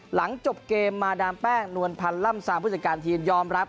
หลังจบเกมมาดามแป้งนวลพันธ์ล่ำซางผู้จัดการทีมยอมรับ